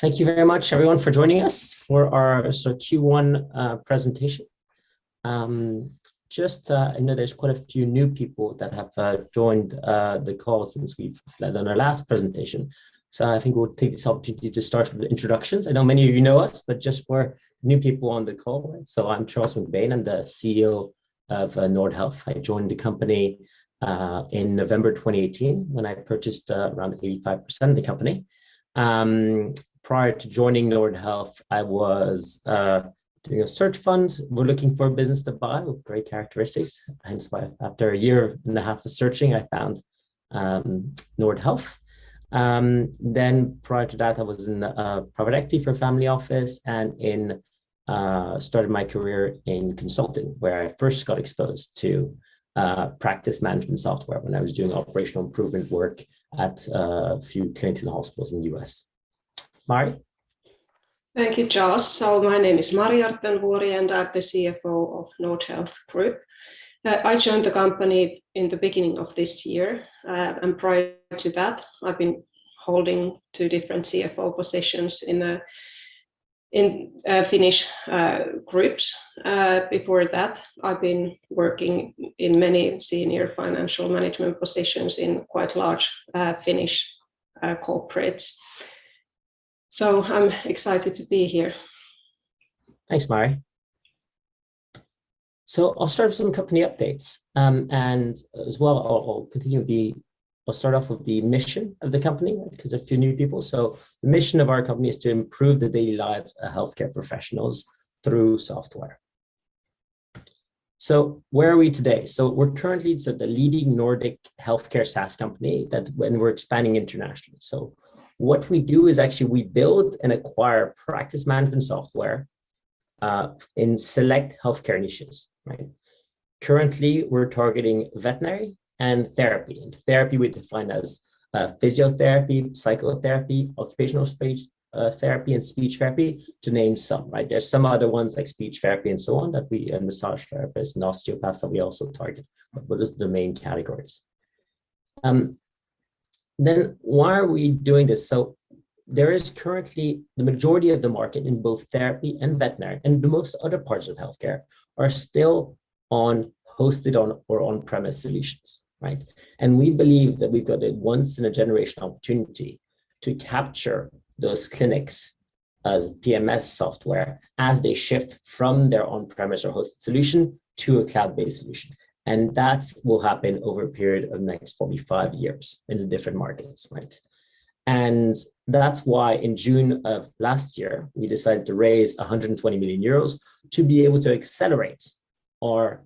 Thank you very much everyone for joining us for our Q1 presentation. Just, I know there's quite a few new people that have joined the call since we've led on our last presentation. I think we'll take this opportunity to start with the introductions. I know many of you know us, but just for new people on the call. I'm Charles MacBain. I'm the CEO of Nordhealth. I joined the company in November 2018 when I purchased around 85% of the company. Prior to joining Nordhealth, I was doing a search fund. We're looking for a business to buy with great characteristics, and after a year and a half of searching, I found Nordhealth. Prior to that I was in private equity for a family office and started my career in consulting, where I first got exposed to practice management software when I was doing operational improvement work at a few clinics and hospitals in the U.S. Mari? Thank you, Charles. My name is Mari Orttenvuori, and I'm the CFO of Nordhealth. I joined the company in the beginning of this year, and prior to that I've been holding two different CFO positions in Finnish groups. Before that I've been working in many senior financial management positions in quite large Finnish corporates. I'm excited to be here. Thanks, Mari. I'll start with some company updates. I'll start off with the mission of the company because there are a few new people. The mission of our company is to improve the daily lives of healthcare professionals through software. Where are we today? We're currently the leading Nordic healthcare SaaS company, and we're expanding internationally. What we do is actually we build and acquire practice management software in select healthcare niches, right? Currently, we're targeting veterinary and therapy. Therapy we define as physiotherapy, psychotherapy, occupational therapy, and speech therapy to name some, right? There are some other ones like speech therapy and so on that we target, and massage therapists and osteopaths that we also target, but those are the main categories. Why are we doing this? There is currently the majority of the market in both therapy and veterinary, and the most other parts of healthcare are still on hosted or on-premise solutions, right? We believe that we've got a once in a generation opportunity to capture those clinics as PMS software as they shift from their on-premise or hosted solution to a cloud-based solution. That will happen over a period of the next probably five years into different markets, right? That's why in June of last year, we decided to raise 120 million euros to be able to accelerate our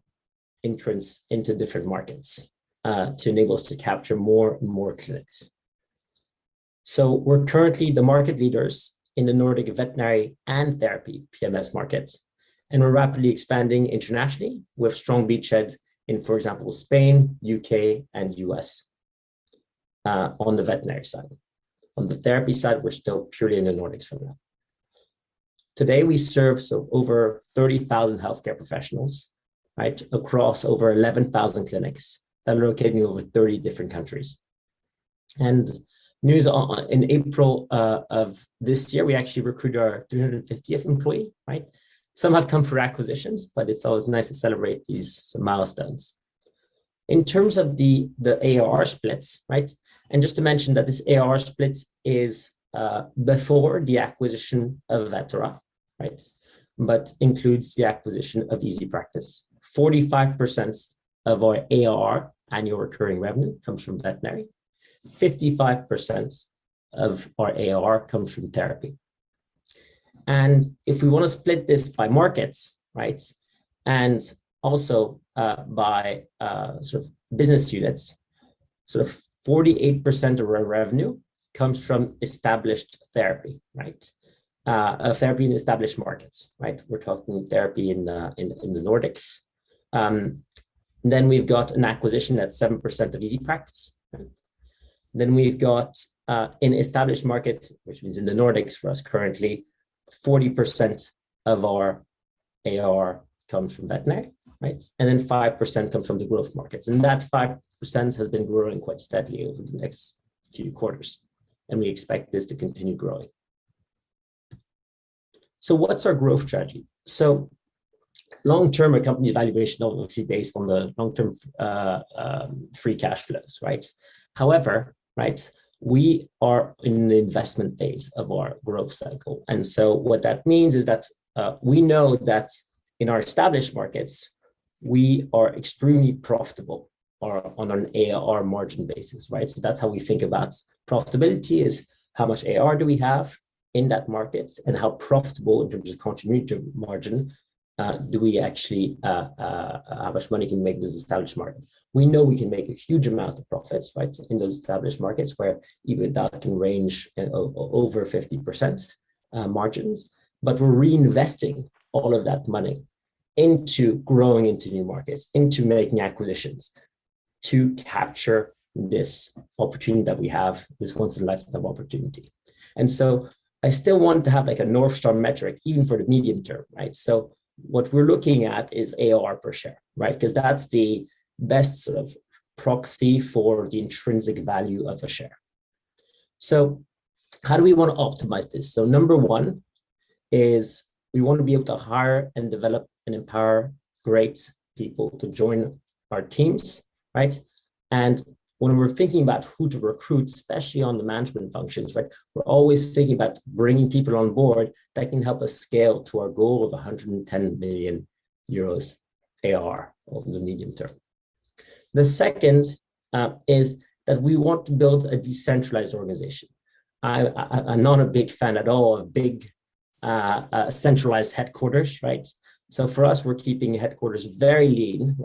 entrance into different markets, to enable us to capture more and more clinics. We're currently the market leaders in the Nordic veterinary and therapy PMS markets, and we're rapidly expanding internationally with strong beachheads in, for example, Spain, U.K. and U.S., on the veterinary side. On the therapy side, we're still purely in the Nordics for now. Today we serve over 30,000 healthcare professionals, right? Across over 11,000 clinics that are located in over 30 different countries. In April of this year, we actually recruited our 350th employee, right? Some have come from acquisitions, but it's always nice to celebrate these milestones. In terms of the ARR splits, right? Just to mention that this ARR split is before the acquisition of Vetera, right? Includes the acquisition of EasyPractice. 45% of our ARR, annual recurring revenue, comes from veterinary. 55% of our ARR comes from therapy. If we want to split this by markets, right? Also by sort of business units, sort of 48% of our revenue comes from established therapy, right? Therapy in established markets, right? We're talking therapy in the Nordics. We've got an acquisition that's 7% of EasyPractice. We've got in established markets, which means in the Nordics for us currently, 40% of our ARR comes from veterinary, right? 5% comes from the growth markets. That 5% has been growing quite steadily over the next few quarters, and we expect this to continue growing. What's our growth strategy? Long-term, a company valuation obviously based on the long-term free cash flows, right? However, right, we are in the investment phase of our growth cycle. What that means is that we know that in our established markets we are extremely profitable or on an ARR margin basis, right? That's how we think about profitability is how much ARR do we have in that market and how profitable in terms of contribution margin do we actually how much money can we make in this established market? We know we can make a huge amount of profits, right? In those established markets where EBITDA can range over 50% margins, but we're reinvesting all of that money into growing into new markets, into making acquisitions to capture this opportunity that we have, this once in a lifetime opportunity. I still want to have like a North Star metric even for the medium term, right? What we're looking at is ARR per share, right? Because that's the best sort of proxy for the intrinsic value of a share. How do we wanna optimize this? Number one is we wanna be able to hire and develop and empower great people to join our teams, right? When we're thinking about who to recruit, especially on the management functions, right, we're always thinking about bringing people on board that can help us scale to our goal of 110 million euros ARR over the medium term. The second is that we want to build a decentralized organization. I'm not a big fan at all of big centralized headquarters, right? For us, we're keeping headquarters very lean,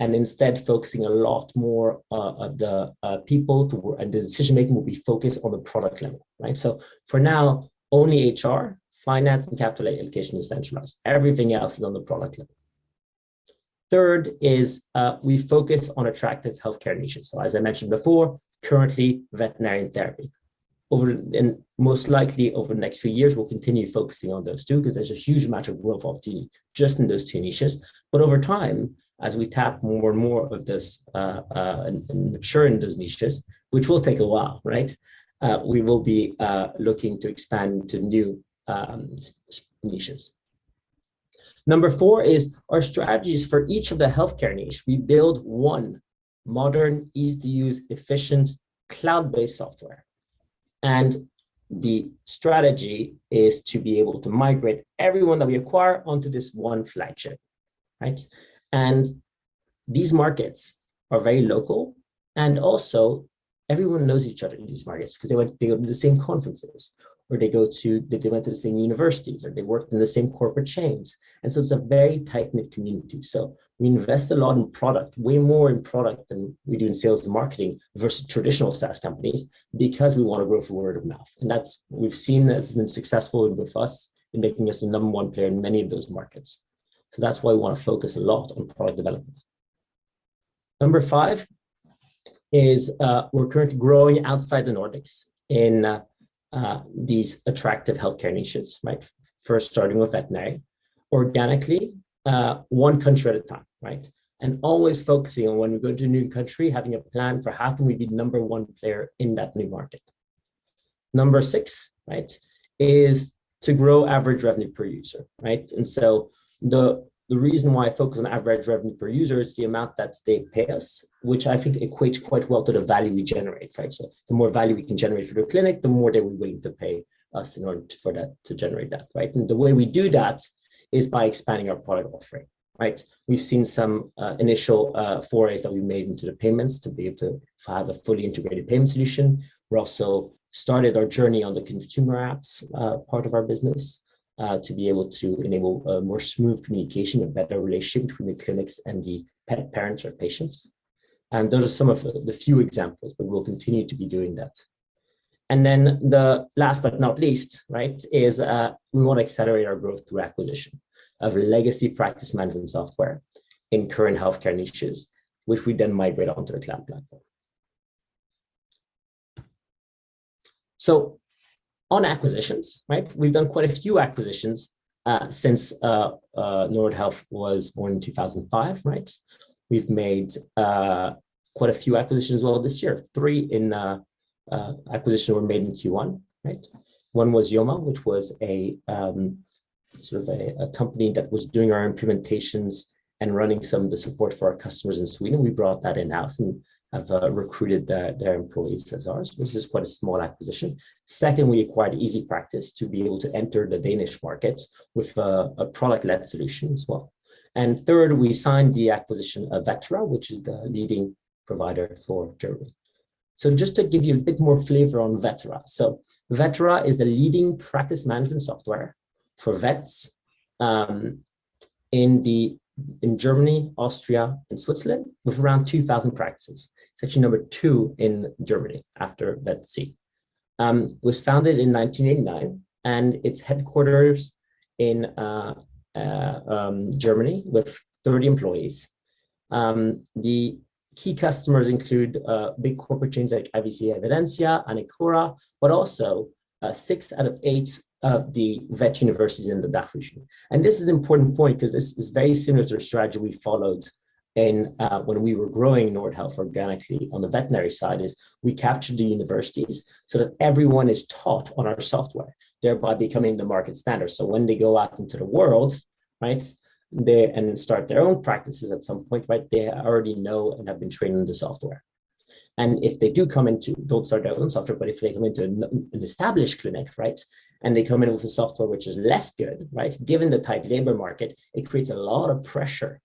right? Instead focusing a lot more of the people and the decision-making will be focused on the product level, right? For now, only HR, finance, and capital allocation is centralized. Everything else is on the product level. Third is, we focus on attractive healthcare niches. As I mentioned before, currently veterinary therapy and most likely over the next few years, we'll continue focusing on those two because there's a huge amount of growth opportunity just in those two niches. Over time, as we tap more and more of this, and mature in those niches, which will take a while, right? We will be looking to expand to new niches. Number four is our strategies for each of the healthcare niche. We build one modern, easy-to-use, efficient, cloud-based software. The strategy is to be able to migrate everyone that we acquire onto this one flagship, right? These markets are very local, and also everyone knows each other in these markets because they go to the same conferences, or they went to the same universities, or they worked in the same corporate chains. It's a very tight-knit community. We invest a lot in product, way more in product than we do in sales and marketing versus traditional SaaS companies because we wanna grow through word of mouth. We've seen that it's been successful with us in making us the number one player in many of those markets. That's why we wanna focus a lot on product development. Number five is, we're currently growing outside the Nordics in, these attractive healthcare niches, right? First starting with veterinary. Organically, one country at a time, right? Always focusing on when we go to a new country, having a plan for how can we be the number one player in that new market. Number six, right, is to grow average revenue per user, right? The reason why I focus on average revenue per user is the amount that they pay us, which I think equates quite well to the value we generate, right? The more value we can generate for the clinic, the more they'll be willing to pay us in order for that to generate that, right? The way we do that is by expanding our product offering, right? We've seen some initial forays that we made into the payments to be able to have a fully integrated payment solution. We also started our journey on the consumer apps part of our business to be able to enable a more smooth communication, a better relationship between the clinics and the pet parents or patients. Those are some of the few examples, but we'll continue to be doing that. The last but not least is we wanna accelerate our growth through acquisition of legacy practice management software in current healthcare niches, which we then migrate onto our cloud platform. On acquisitions. We've done quite a few acquisitions since Nordhealth was born in 2005. We've made quite a few acquisitions as well this year. Three acquisitions were made in Q1. One was Yoma Consulting, which was a sort of a company that was doing our implementations and running some of the support for our customers in Sweden. We brought that in-house and have recruited their employees as ours. This is quite a small acquisition. Second, we acquired EasyPractice to be able to enter the Danish markets with a product-led solution as well. Third, we signed the acquisition of Vetera, which is the leading provider for Germany. Just to give you a bit more flavor on Vetera. Vetera is the leading practice management software for vets in Germany, Austria, and Switzerland, with around 2,000 practices. It's actually number two in Germany after VetZ. It was founded in 1989, and its headquarters in Germany with 30 employees. The key customers include big corporate chains like IVC Evidensia and AniCura, but also six out of eight of the vet universities in the DACH region. This is an important point 'cause this is very similar to the strategy we followed in when we were growing Nordhealth organically on the veterinary side, is we captured the universities so that everyone is taught on our software, thereby becoming the market standard. When they go out into the world, right, they and start their own practices at some point, right, they already know and have been trained on the software. If they do come into an established clinic, right, and they come in with a software which is less good, right? Given the tight labor market, it creates a lot of pressure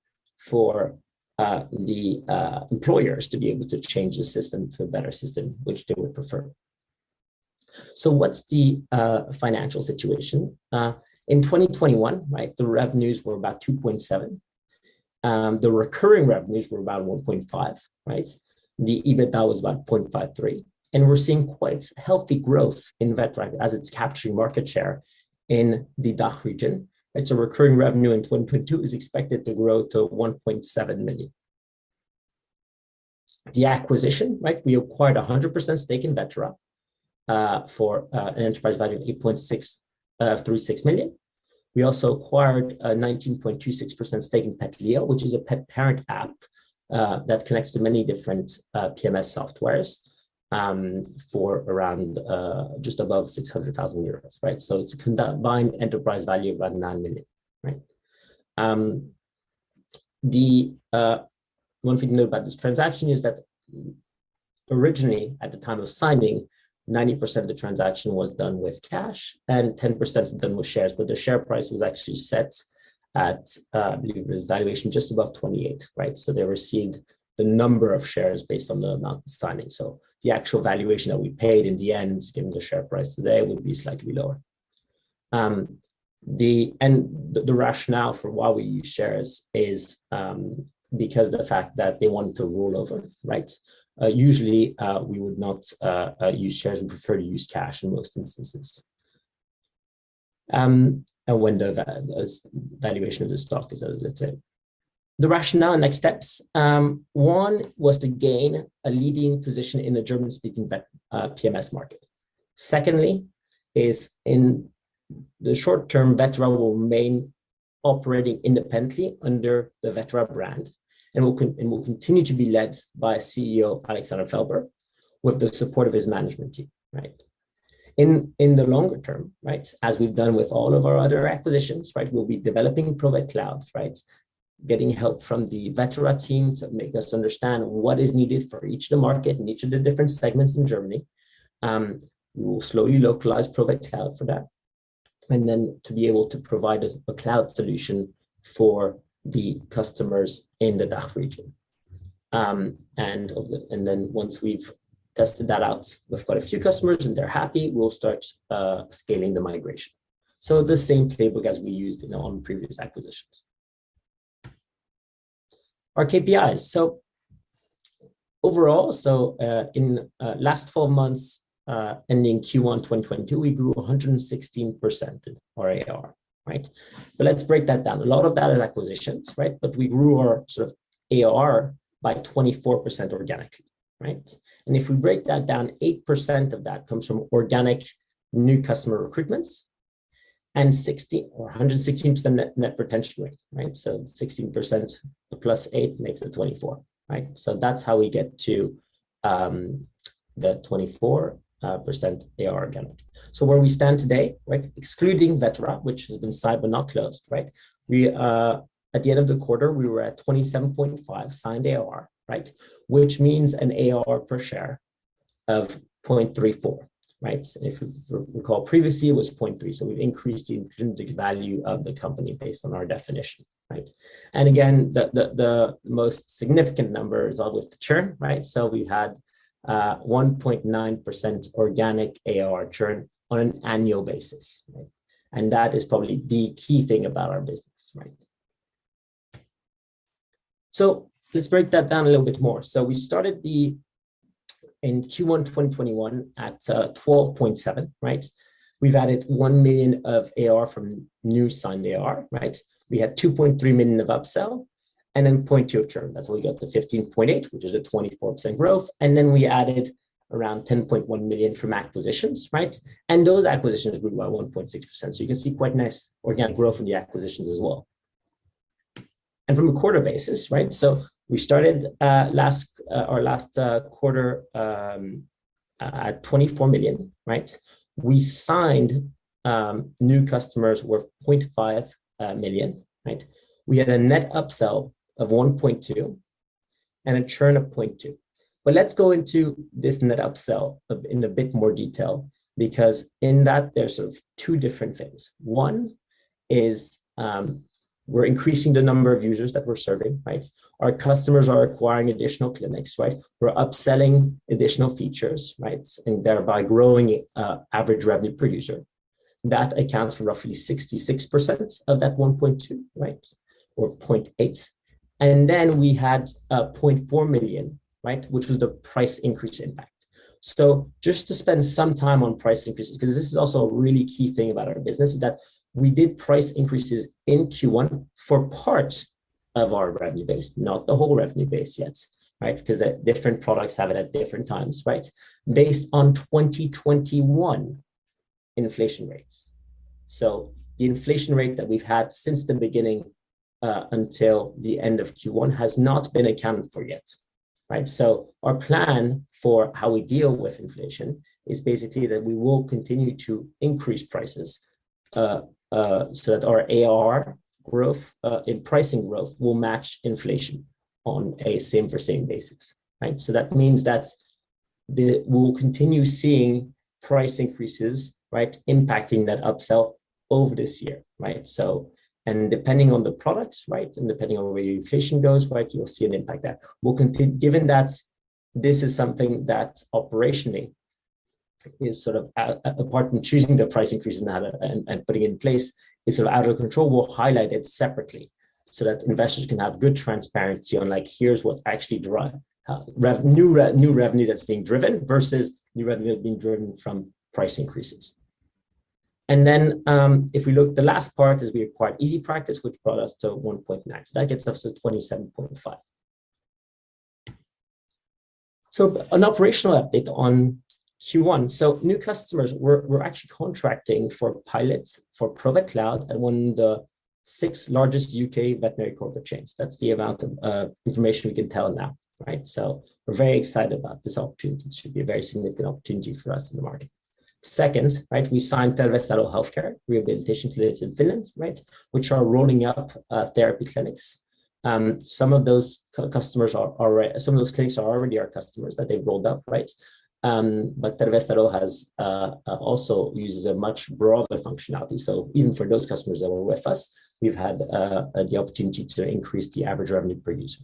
for the employers to be able to change the system to a better system which they would prefer. What's the financial situation? In 2021, right, the revenues were about 2.7 million. The recurring revenues were about 1.5 million, right? The EBITDA was about 0.53 million. We're seeing quite healthy growth in Vetera as it's capturing market share in the DACH region. Recurring revenue in 2022 is expected to grow to 1.7 million. The acquisition, right, we acquired a 100% stake in Vetera. For an enterprise value of 8.636 million. We also acquired a 19.26% stake in PetLeo, which is a pet parent app that connects to many different PMS software for around just above 600,000 euros, right? It's combined enterprise value of around 9 million, right? The one thing to note about this transaction is that originally, at the time of signing, 90% of the transaction was done with cash and 10% of it done with shares, but the share price was actually set at, I believe it was valuation just above 28, right? They received the number of shares based on the amount of signing. The actual valuation that we paid in the end, given the share price today, would be slightly lower. The rationale for why we use shares is because of the fact that they want to roll over, right? Usually, we would not use shares. We prefer to use cash in most instances. When the valuation of the stock is, as I said. The rationale and next steps, one was to gain a leading position in the German-speaking vet PMS market. Secondly is in the short term, Vetera will remain operating independently under the Vetera brand and will continue to be led by CEO Alexander Felber, with the support of his management team, right? In the longer term, right, as we've done with all of our other acquisitions, right, we'll be developing Provet Cloud, right? Getting help from the Vetera team to make us understand what is needed for each of the market and each of the different segments in Germany. We'll slowly localize Provet Cloud for that. To be able to provide a cloud solution for the customers in the DACH region. Once we've tested that out with quite a few customers and they're happy, we'll start scaling the migration. The same playbook as we used in our own previous acquisitions. Our KPIs. Overall, in last four months ending Q1 2022, we grew 116% in our ARR, right? Let's break that down. A lot of that is acquisitions, right? We grew our sort of ARR by 24% organically, right? If we break that down, 8% of that comes from organic new customer recruitments and 60% or 116% net net retention rate, right? 16% plus 8% makes it 24%, right? That's how we get to the 24% ARR organically. Where we stand today, right, excluding Vetera, which has been signed but not closed, right, we, at the end of the quarter, we were at 27.5 signed ARR, right? Which means an ARR per share of 0.34, right? If you recall previously, it was 0.3, so we've increased the intrinsic value of the company based on our definition, right? Again, the most significant number is always the churn, right? We had 1.9% organic ARR churn on an annual basis, right? That is probably the key thing about our business, right? Let's break that down a little bit more. We started in Q1 2021 at 12.7 million, right? We've added 1 million of ARR from new signed ARR, right? We had 2.3 million of upsell and then 0.2 of churn. That's how we got to 15.8, which is a 24% growth. Then we added around 10.1 million from acquisitions, right? Those acquisitions grew by 1.6%. You can see quite nice organic growth in the acquisitions as well. From a quarter basis, right? We started last quarter at 24 million, right? We signed new customers worth 0.5 million, right? We had a net upsell of 1.2 million and a churn of 0.2 million. Let's go into this net upsell in a bit more detail because in that there's sort of two different things. One is, we're increasing the number of users that we're serving, right? Our customers are acquiring additional clinics, right? We're upselling additional features, right? And thereby growing average revenue per user. That accounts for roughly 66% of that 1.2 million, right? Or 0.8 million. Then we had 0.4 million, right, which was the price increase impact. Just to spend some time on price increases, because this is also a really key thing about our business, is that we did price increases in Q1 for part of our revenue base, not the whole revenue base yet, right? Because the different products have it at different times, right? Based on 2021 inflation rates. The inflation rate that we've had since the beginning until the end of Q1 has not been accounted for yet, right? Our plan for how we deal with inflation is basically that we will continue to increase prices so that our ARR growth and pricing growth will match inflation on a same for same basis, right? That means that we'll continue seeing price increases, right, impacting that upsell over this year, right? Depending on the products, right, and depending on where the inflation goes, right, you'll see an impact there. Given that this is something that operationally is sort of out apart from choosing the price increase now and putting it in place, is sort of out of control, we'll highlight it separately so that investors can have good transparency on, like, here's what's actually new revenue that's being driven versus new revenue that's being driven from price increases. If we look, the last part is we acquired EasyPractice, which brought us to 1.9. That gets us to 27.5. An operational update on Q1. New customers, we're actually contracting for pilots for Provet Cloud at one of the six largest UK veterinary corporate chains. That's the amount of information we can tell now, right? We're very excited about this opportunity. It should be a very significant opportunity for us in the market. Second, right, we signed Terveystalo Healthcare, rehabilitation clinics in Finland, right, which are rolling out therapy clinics. Some of those clinics are already our customers that they've rolled out, right? But Terveystalo has also uses a much broader functionality. Even for those customers that were with us, we've had the opportunity to increase the average revenue per user.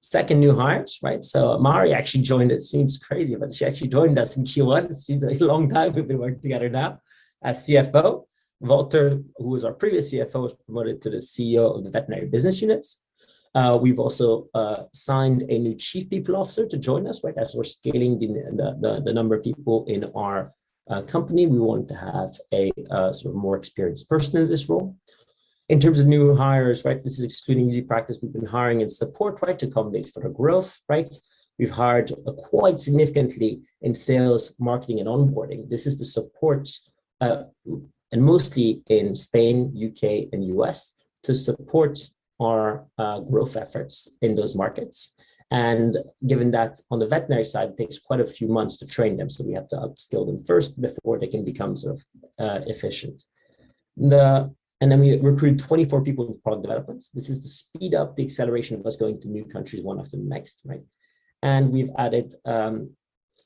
Second, new hires, right? Mari actually joined, it seems crazy, but she actually joined us in Q1. It seems a long time we've been working together now, as CFO. Valter, who was our previous CFO, was promoted to the CEO of the veterinary business units. We've also signed a new Chief People Officer to join us, right? As we're scaling the number of people in our company, we want to have a sort of more experienced person in this role. In terms of new hires, right? This is excluding EasyPractice. We've been hiring in support, right, to accommodate for the growth, right? We've hired quite significantly in sales, marketing, and onboarding. This is to support, and mostly in Spain, U.K., and U.S. to support our growth efforts in those markets. Given that on the veterinary side, it takes quite a few months to train them, so we have to upskill them first before they can become sort of efficient. Then we recruit 24 people in product developments. This is to speed up the acceleration of us going to new countries one after the next, right? We've added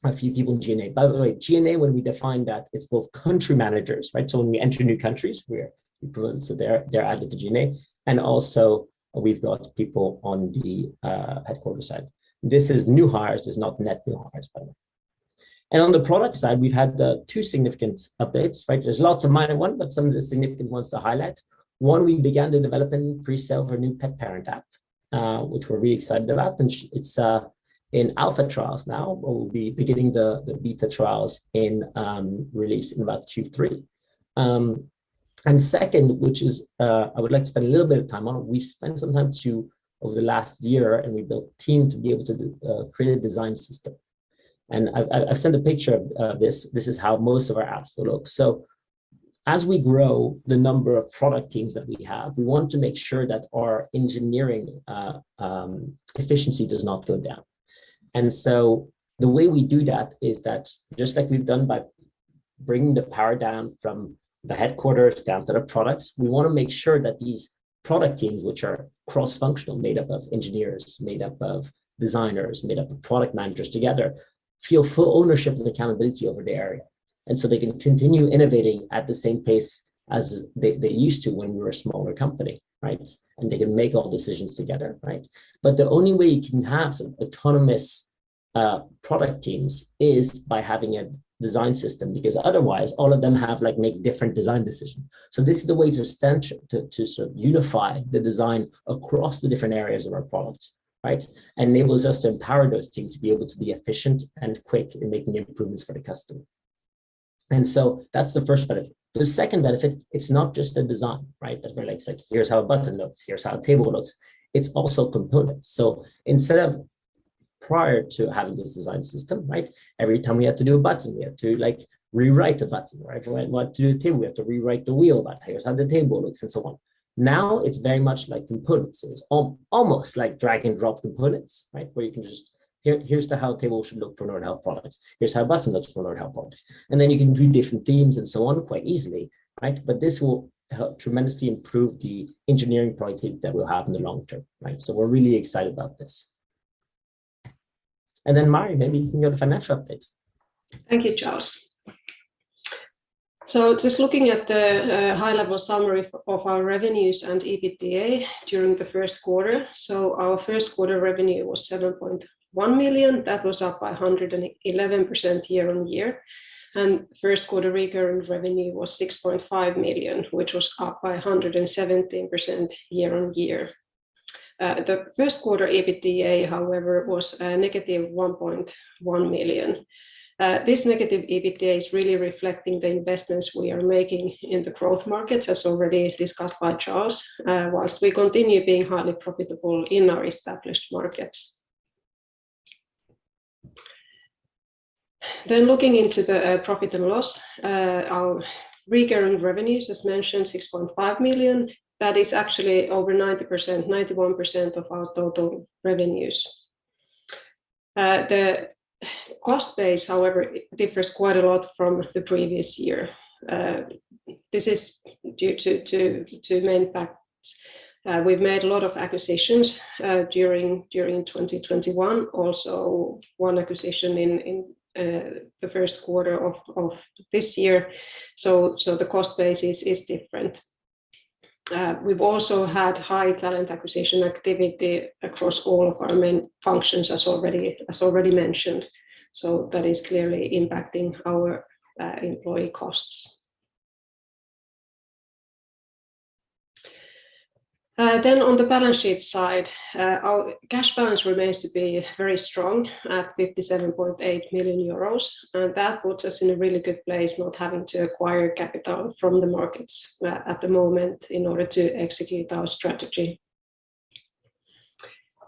a few people in G&A. By the way, G&A, when we define that, it's both country managers, right? So when we enter new countries, we're recruiting, so they're added to G&A. We've got people on the headquarters side. This is new hires. This is not net new hires, by the way. On the product side, we've had two significant updates, right? There's lots of minor ones, but some of the significant ones to highlight. One, we began the development pre-sale of our new Pet Parent App, which we're really excited about. It's in alpha trials now. We'll be beginning the beta trials in release in about Q3. Second, which is, I would like to spend a little bit of time on, we spent some time too over the last year, and we built a team to be able to create a design system. I've sent a picture of this. This is how most of our apps look. As we grow the number of product teams that we have, we want to make sure that our engineering efficiency does not go down. The way we do that is that just like we've done by bringing the power down from the headquarters down to the products, we want to make sure that these product teams, which are cross-functional, made up of engineers, made up of designers, made up of product managers together, feel full ownership and accountability over their area. They can continue innovating at the same pace as they used to when we were a smaller company, right? They can make all decisions together, right? The only way you can have sort of autonomous product teams is by having a design system because otherwise all of them have, like, make different design decisions. This is the way to extend to sort of unify the design across the different areas of our products, right? Enables us to empower those teams to be able to be efficient and quick in making improvements for the customer. That's the first benefit. The second benefit, it's not just a design, right? That we're like, "Here's how a button looks. Here's how a table looks." It's also components. Instead of prior to having this design system, right, every time we had to do a button, we had to, like, rewrite a button, right? We want to do a table, we have to reinvent the wheel about, "Here's how the table looks," and so on. Now, it's very much like components. It's almost like drag and drop components, right? Where you can just here's how the table should look for Nordhealth products. Here's how a button looks for Nordhealth products. Then you can do different themes and so on quite easily, right? This will help tremendously improve the engineering product team that we'll have in the long term, right? We're really excited about this. Then Mari, maybe you can go to financial update. Thank you, Charles. Just looking at the high-level summary of our revenues and EBITDA during the first quarter. Our first quarter revenue was 7.1 million. That was up by 111% year-on-year. First quarter recurring revenue was 6.5 million, which was up by 117% year-on-year. The first quarter EBITDA, however, was -1.1 million. This negative EBITDA is really reflecting the investments we are making in the growth markets, as already discussed by Charles, whilst we continue being highly profitable in our established markets. Looking into the profit and loss, our recurring revenues, as mentioned, 6.5 million. That is actually over 90%, 91% of our total revenues. The cost base, however, differs quite a lot from the previous year. This is due to many factors. We've made a lot of acquisitions during 2021. Also one acquisition in the first quarter of this year. The cost base is different. We've also had high talent acquisition activity across all of our main functions as already mentioned. That is clearly impacting our employee costs. On the balance sheet side, our cash balance remains to be very strong at 57.8 million euros, and that puts us in a really good place not having to acquire capital from the markets, at the moment in order to execute our strategy.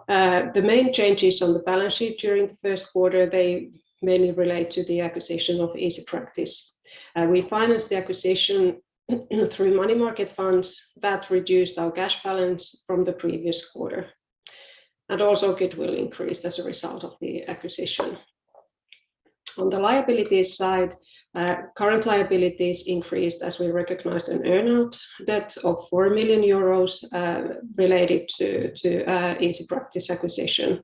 The main changes on the balance sheet during the first quarter, they mainly relate to the acquisition of EasyPractice. We financed the acquisition through money market funds that reduced our cash balance from the previous quarter. Goodwill increased as a result of the acquisition. On the liability side, current liabilities increased as we recognized an earn-out debt of 4 million euros, related to EasyPractice acquisition.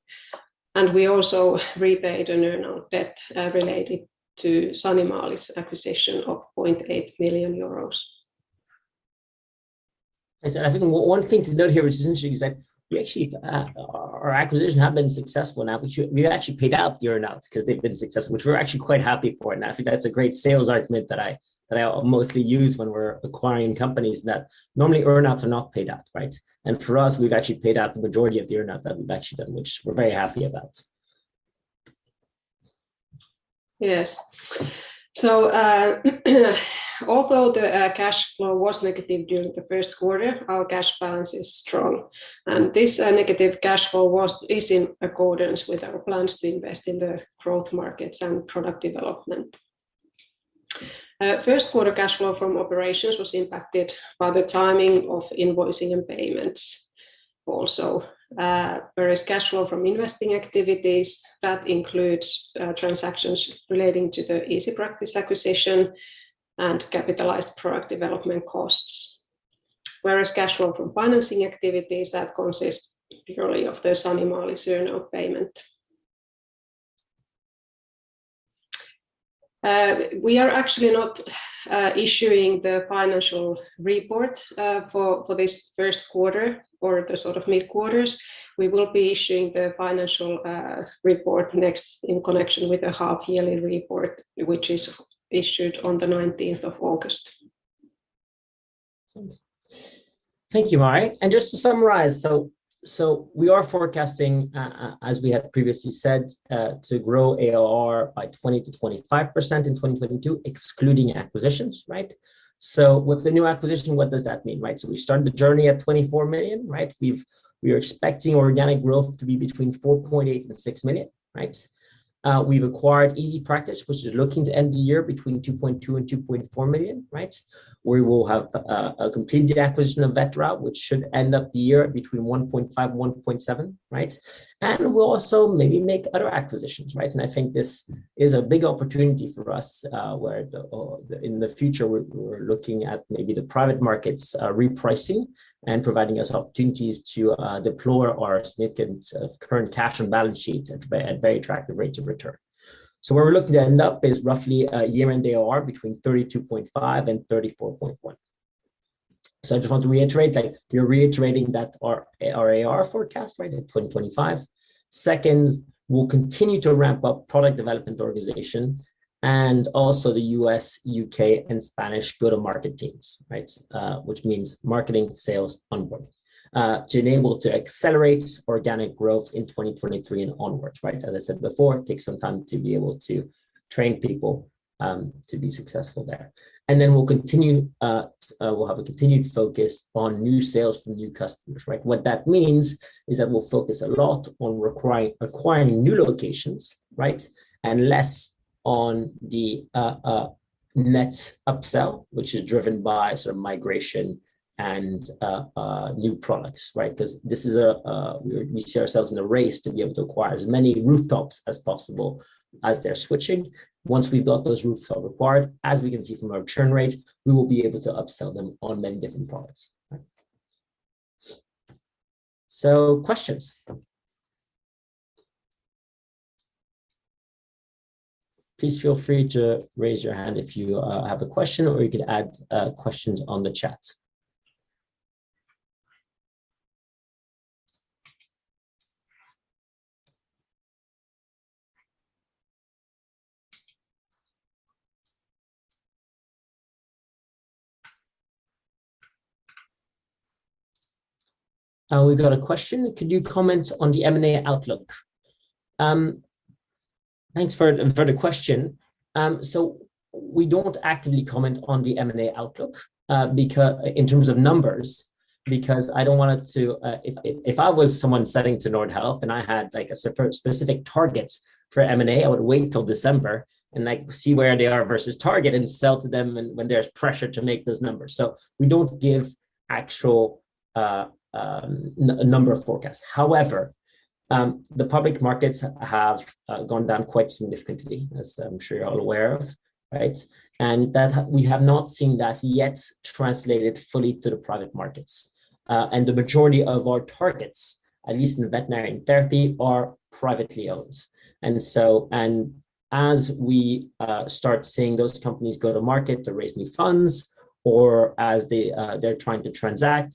We also repaid an earn-out debt, related to Sanimalis's acquisition of 0.8 million euros. I said I think one thing to note here, which is interesting, is that we actually, our acquisition have been successful now, which we actually paid out the earn-outs 'cause they've been successful, which we're actually quite happy for. I think that's a great sales argument that I mostly use when we're acquiring companies that normally earn-outs are not paid out, right? For us, we've actually paid out the majority of the earn-out that we've actually done, which we're very happy about. Yes. Although the cash flow was negative during the first quarter, our cash balance is strong. This negative cash flow was in accordance with our plans to invest in the growth markets and product development. First quarter cash flow from operations was impacted by the timing of invoicing and payments also. Whereas cash flow from investing activities, that includes transactions relating to the EasyPractice acquisition and capitalized product development costs. Whereas cash flow from financing activities, that consists purely of the Sanimalis's earn-out payment. We are actually not issuing the financial report for this first quarter or the sort of mid-quarters. We will be issuing the financial report next in connection with the half yearly report, which is issued on the nineteenth of August. Thank you, Mari. Just to summarize, we are forecasting, as we had previously said, to grow ARR by 20%-25% in 2022, excluding acquisitions, right? With the new acquisition, what does that mean? Right. We started the journey at 24 million, right? We are expecting organic growth to be between 4.8 million and 6 million, right? We have acquired EasyPractice, which is looking to end the year between 2.2 million and 2.4 million, right? We will have a completed acquisition of Vetera, which should end up the year between 1.5 million and 1.7 million, right? We'll also maybe make other acquisitions, right? I think this is a big opportunity for us, where the in the future we're looking at maybe the private markets repricing and providing us opportunities to deploy our significant current cash and balance sheets at very attractive rates of return. Where we're looking to end up is roughly a year-end ARR between 32.5 and 34.1. I just want to reiterate, like, we're reiterating that our ARR forecast, right, in 2025. Second, we'll continue to ramp up product development organization and also the U.S., U.K., and Spanish go-to-market teams, right? Which means marketing, sales, onboarding to enable to accelerate organic growth in 2023 and onwards, right? As I said before, it takes some time to be able to train people to be successful there. We'll continue, we'll have a continued focus on new sales from new customers, right? What that means is that we'll focus a lot on acquiring new locations, right, and less on the net upsell, which is driven by sort of migration and new products, right? 'Cause this is a, we see ourselves in a race to be able to acquire as many rooftops as possible as they're switching. Once we've got those roofs all acquired, as we can see from our churn rate, we will be able to upsell them on many different products, right? Questions. Please feel free to raise your hand if you have a question or you could add questions on the chat. We got a question. Could you comment on the M&A outlook? Thanks for the question. We don't actively comment on the M&A outlook because in terms of numbers, because I don't want it to, if I was someone selling to Nordhealth and I had like a specific targets for M&A, I would wait till December and like see where they are versus target and sell to them when there's pressure to make those numbers. We don't give actual number of forecasts. However, the public markets have gone down quite significantly, as I'm sure you're all aware of, right? That we have not seen that yet translated fully to the private markets. The majority of our targets, at least in the veterinary and therapy, are privately owned. As we start seeing those companies go to market to raise new funds or as they're trying to transact,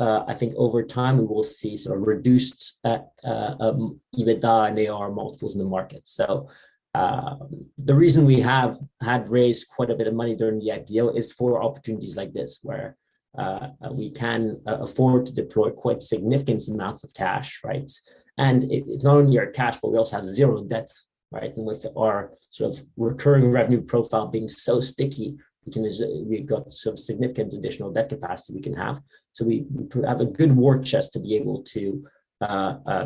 right, I think over time we will see sort of reduced EBITDA and ARR multiples in the market. The reason we have had raised quite a bit of money during the IPO is for opportunities like this where we can afford to deploy quite significant amounts of cash, right? It's not only our cash, but we also have zero debt, right? With our sort of recurring revenue profile being so sticky, we've got some significant additional debt capacity we can have. We have a good war chest to be able to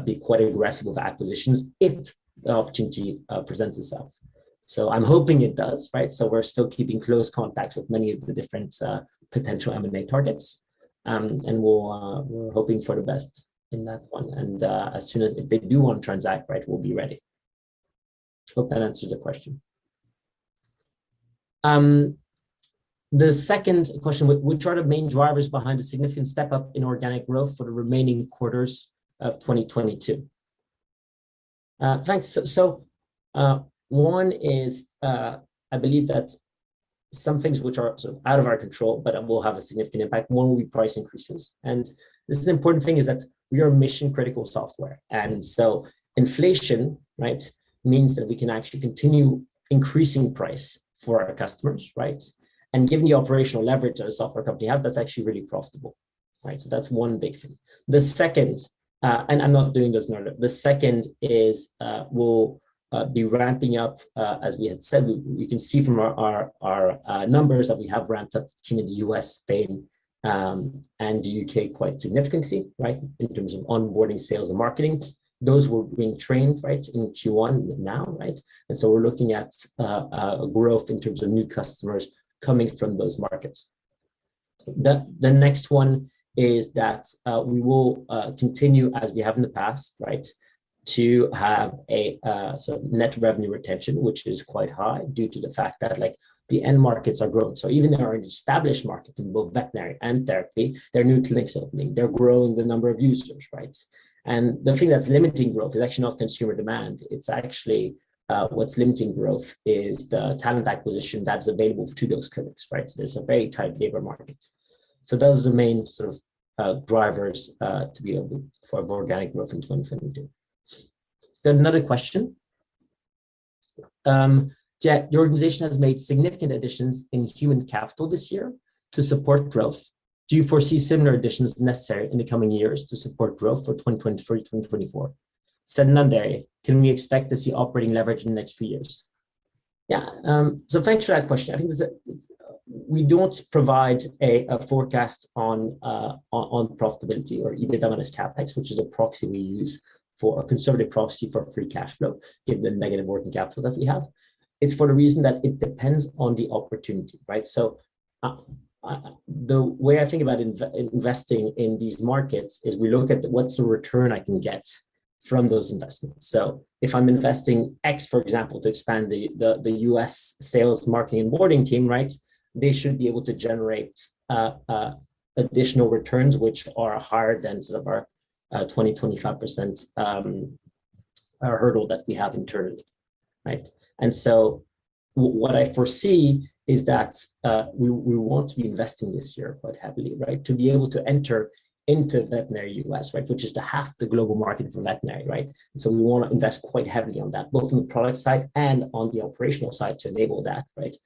be quite aggressive with acquisitions if the opportunity presents itself. I'm hoping it does, right? We're still keeping close contacts with many of the different potential M&A targets, and we're hoping for the best in that one. If they do want to transact, right, we'll be ready. Hope that answers the question. The second question, what are the main drivers behind the significant step up in organic growth for the remaining quarters of 2022? Thanks. One is, I believe that some things which are sort of out of our control but will have a significant impact, one will be price increases. This is important thing is that we are mission-critical software. Inflation, right, means that we can actually continue increasing price for our customers, right? Given the operational leverage that a software company have, that's actually really profitable, right? That's one big thing. The second, and I'm not doing this in order, is we'll be ramping up, as we had said. We can see from our numbers that we have ramped up the team in the U.S., Spain, and the U.K. quite significantly, right, in terms of onboarding sales and marketing. Those were being trained, right, in Q1 now, right? We're looking at growth in terms of new customers coming from those markets. The next one is that we will continue as we have in the past, right, to have so net revenue retention, which is quite high due to the fact that like the end markets are growing. Even in our established market, in both veterinary and therapy, there are new clinics opening. They're growing the number of users, right? The thing that's limiting growth is actually not consumer demand. It's actually, what's limiting growth is the talent acquisition that's available to those clinics, right? Those are the main sort of drivers to be able for organic growth in 2022. There's another question. Jack, the organization has made significant additions in human capital this year to support growth. Do you foresee similar additions necessary in the coming years to support growth for 2023, 2024? Secondarily, can we expect to see operating leverage in the next few years? Yeah. Thanks for that question. We don't provide a forecast on profitability or EBITDA less CapEx, which is a proxy we use for a conservative proxy for free cash flow, given the negative working capital that we have. It's for the reason that it depends on the opportunity, right? The way I think about investing in these markets is we look at what's the return I can get from those investments. If I'm investing X, for example, to expand the U.S. sales, marketing, and onboarding team, right, they should be able to generate additional returns which are higher than sort of our 25% hurdle that we have internally, right? What I foresee is that we want to be investing this year quite heavily, right? To be able to enter into veterinary U.S., right, which is half the global market for veterinary, right? We wanna invest quite heavily on that, both on the product side and on the operational side to enable that, right?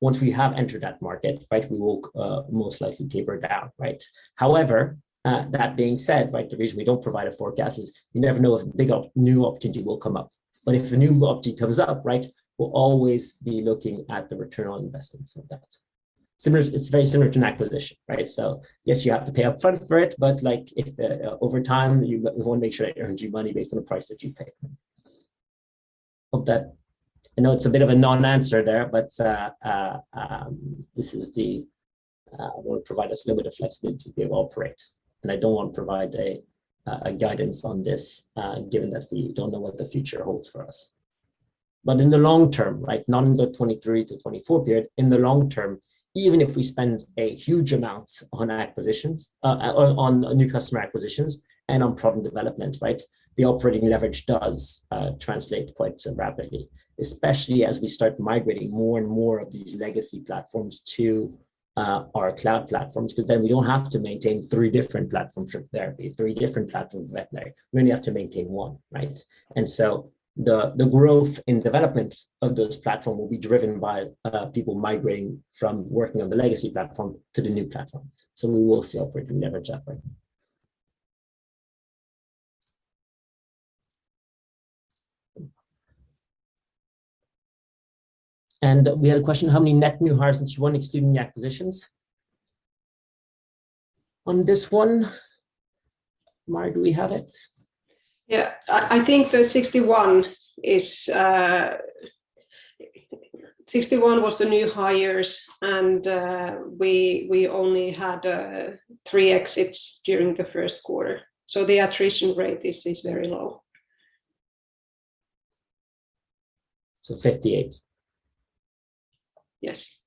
Once we have entered that market, right, we will most likely taper it down, right? However, that being said, right, the reason we don't provide a forecast is you never know if a new opportunity will come up. If a new opportunity comes up, right, we'll always be looking at the return on investment of that. It's very similar to an acquisition, right? Yes, you have to pay up front for it, but like if over time, you, we wanna make sure it earns you money based on the price that you pay. Hope that. I know it's a bit of a non-answer there, but this will provide us a little bit of flexibility to be able to operate. I don't want to provide a guidance on this, given that we don't know what the future holds for us. In the long term, right, not in the 2023-2024 period, in the long term, even if we spend a huge amount on acquisitions, on new customer acquisitions and on product development, right, the operating leverage does translate quite rapidly, especially as we start migrating more and more of these legacy platforms to our cloud platforms, because then we don't have to maintain three different platforms for therapy, three different platforms for veterinary. We only have to maintain one, right? The growth in development of those platform will be driven by people migrating from working on the legacy platform to the new platform. We will see operating leverage happen. We had a question, how many net new hires in Q1 excluding acquisitions? On this one, Mari, do we have it? I think the 61 was the new hires, and we only had 3 exits during the first quarter. The attrition rate is very low. 58. Yes.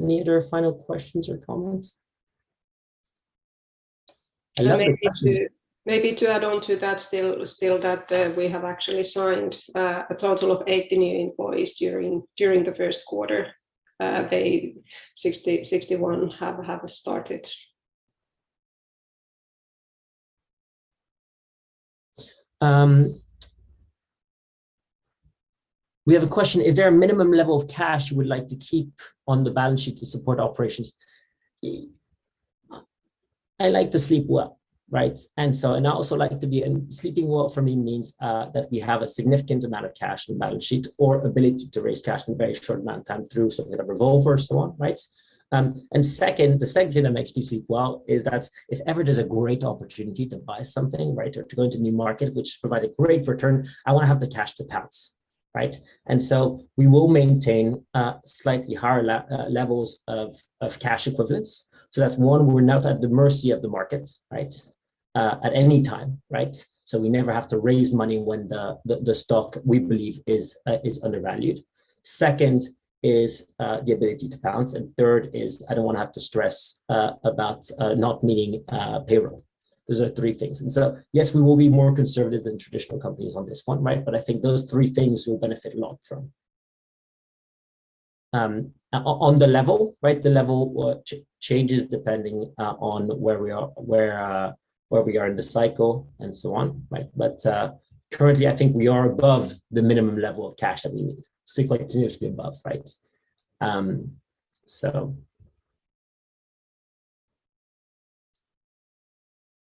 Any other final questions or comments? Maybe to add on to that still that we have actually signed a total of 80 new employees during the first quarter. They 61 have started. We have a question. Is there a minimum level of cash you would like to keep on the balance sheet to support operations? I like to sleep well, right? Sleeping well for me means that we have a significant amount of cash in the balance sheet or ability to raise cash in a very short amount of time through something like a revolver or so on, right? The second thing that makes me sleep well is that if ever there's a great opportunity to buy something, right? Or to go into a new market which provide a great return, I wanna have the cash to pounce, right? We will maintain slightly higher levels of cash equivalents. That's one, we're not at the mercy of the market, right? At any time, right? So we never have to raise money when the stock we believe is undervalued. Second is the ability to pounce, and third is I don't wanna have to stress about not meeting payroll. Those are three things. Yes, we will be more conservative than traditional companies on this one, right? I think those three things we'll benefit a lot from. On the level, right? The level will change depending on where we are in the cycle and so on, right? Currently, I think we are above the minimum level of cash that we need. Seems like it needs to be above, right?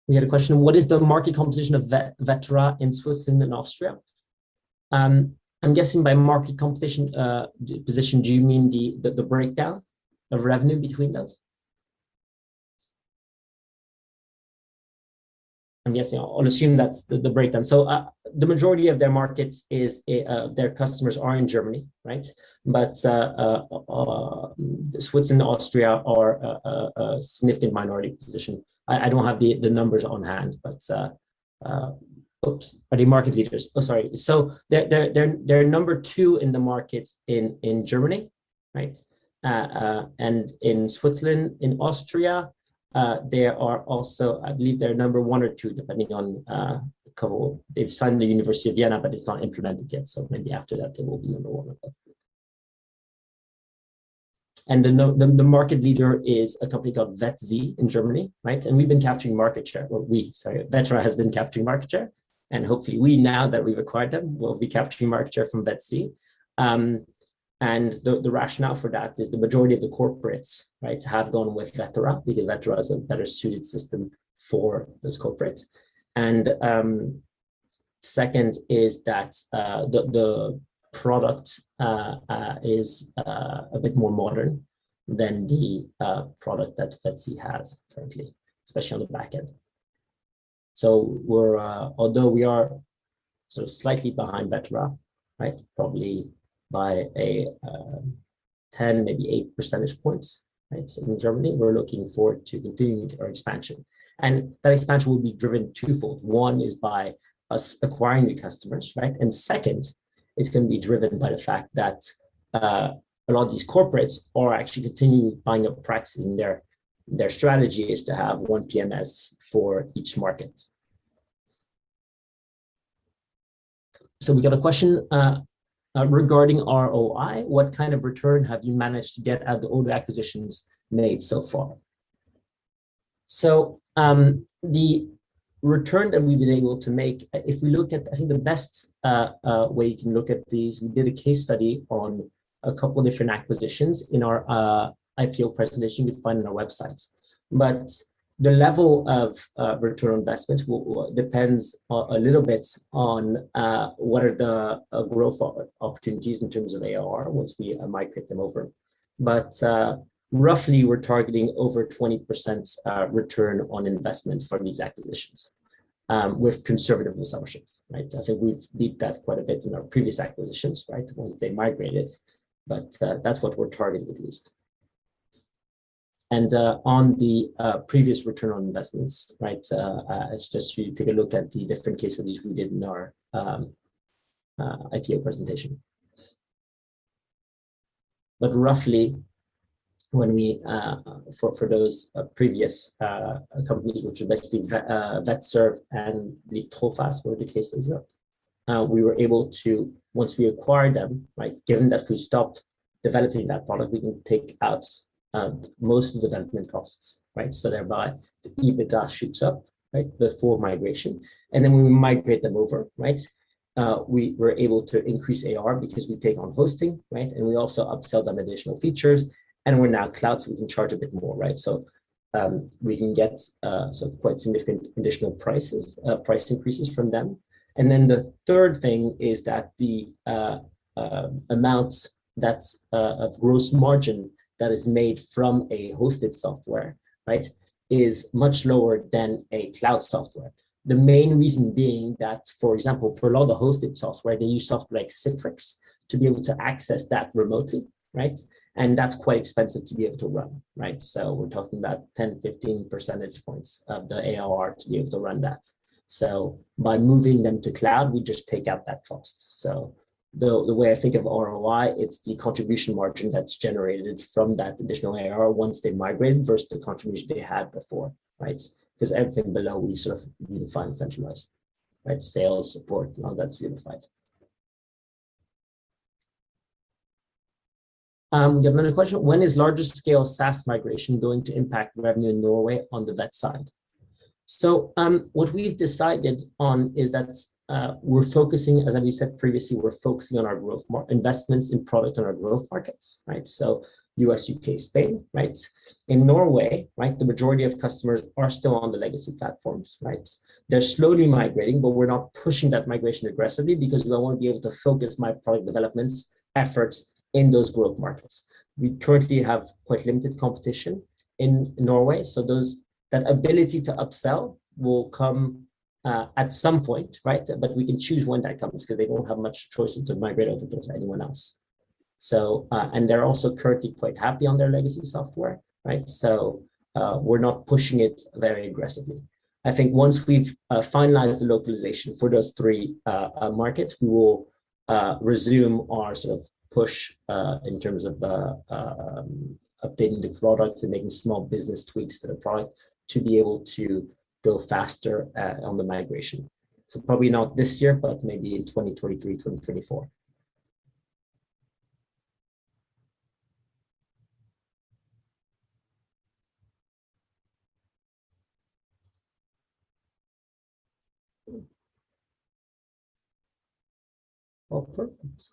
We had a question, what is the market composition of Vetera in Switzerland and Austria? I'm guessing by market competition, position, do you mean the breakdown of revenue between those? I'm guessing. I'll assume that's the breakdown. The majority of their markets is their customers are in Germany, right? Switzerland and Austria are a significant minority position. I don't have the numbers on hand, but. Oops. Are they market leaders? Oh, sorry. They're number two in the markets in Germany, right? And in Switzerland, in Austria, they are also. I believe they're number one or two, depending on a couple. They've signed the University of Vienna, but it's not implemented yet. Maybe after that they will be number one. The market leader is a company called VetZ in Germany, right? We've been capturing market share. Well, Vetera has been capturing market share. Hopefully we, now that we've acquired them, will be capturing market share from VetZ. The rationale for that is the majority of the corporates, right, have gone with Vetera because Vetera is a better suited system for those corporates. Second is that the product is a bit more modern than the product that VetZ has currently, especially on the back end. Although we are sort of slightly behind Vetera, right? Probably by a 10, maybe eight percentage points, right? In Germany, we're looking forward to continuing our expansion, and that expansion will be driven twofold. One is by us acquiring new customers, right? Second, it's gonna be driven by the fact that a lot of these corporates are actually continuing buying up practices, and their strategy is to have one PMS for each market. We got a question regarding ROI. What kind of return have you managed to get out of all the acquisitions made so far? The return that we've been able to make, if we look at I think the best way you can look at these, we did a case study on a couple different acquisitions in our IPO presentation you can find on our website. The level of return on investment will depend a little bit on what are the growth opportunities in terms of ARR once we migrate them over. Roughly we're targeting over 20% return on investment from these acquisitions, with conservative assumptions, right? I think we've beat that quite a bit in our previous acquisitions, right? Once they migrated. That's what we're targeting at least. On the previous return on investments, right? It's just you take a look at the different case studies we did in our IPO presentation. Roughly when we for those previous companies, which are basically Vetserve and Trofast were the cases, we were able to once we acquired them, right? Given that we stopped developing that product, we can take out most of the development costs, right? Thereby the EBITDA shoots up, right? Before migration. Then when we migrate them over, right? We were able to increase ARR because we take on hosting, right? We also upsell them additional features and we're now cloud, so we can charge a bit more, right? We can get quite significant additional prices, price increases from them. Then the third thing is that the amount that's of gross margin that is made from a hosted software, right? It is much lower than a cloud software. The main reason being that, for example, for a lot of the hosted software, they use software like Citrix to be able to access that remotely, right? That's quite expensive to be able to run, right? We're talking about 10-15 percentage points of the ARR to be able to run that. By moving them to cloud, we just take out that cost. The way I think of ROI, it's the contribution margin that's generated from that additional ARR once they migrate versus the contribution they had before, right? Because everything below we sort of unified and centralized, right? Sales, support, all that's unified. We have another question. When is larger scale SaaS migration going to impact revenue in Norway on the vet side? What we've decided on is that we're focusing, as I said previously, on our growth investments in product on our growth markets, right? U.S., U.K., Spain, right? In Norway, right? The majority of customers are still on the legacy platforms, right? They're slowly migrating, but we're not pushing that migration aggressively because we wanna be able to focus my product development efforts in those growth markets. We currently have quite limited competition in Norway, so that ability to upsell will come at some point, right? We can choose when that comes because they don't have much choice to migrate over to anyone else. They're also currently quite happy on their legacy software, right? We're not pushing it very aggressively. I think once we've finalized the localization for those three markets, we will resume our sort of push in terms of updating the product and making small business tweaks to the product to be able to go faster on the migration. Probably not this year, but maybe in 2023, 2024. Well, perfect.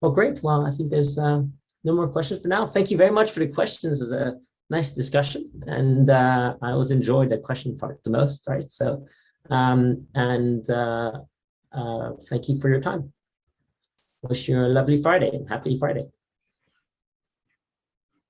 Well, great. Well, I think there's no more questions for now. Thank you very much for the questions. It was a nice discussion, and I always enjoy the question part the most, right? Thank you for your time. Wish you a lovely Friday. Happy Friday.